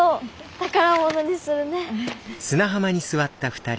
宝物にするね。